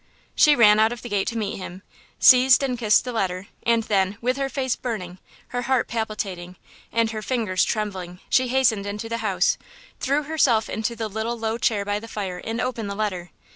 She ran out of the gate to meet him, seized and kissed the letter, and then, with her face burning, her heart palpitating and her fingers trembling, she hastened into the house, threw herself into the little low chair by the fire and opened the letter.